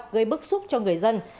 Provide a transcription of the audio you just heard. gây bức xúc cho người dân